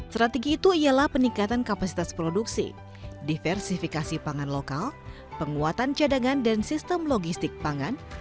strategi itu ialah peningkatan kapasitas produksi diversifikasi pangan lokal penguatan cadangan dan sistem logistik pangan